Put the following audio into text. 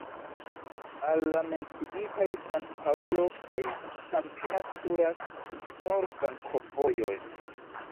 Al la menciitaj San-Paŭlo kaj Campinas kuras nur flankovojoj.